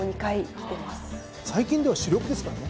最近では主力ですからね。